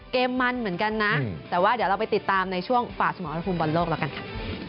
เกมมันเหมือนกันนะแต่ว่าเดี๋ยวเราไปติดตามในช่วงฝ่าสมรภูมิบอลโลกแล้วกันค่ะ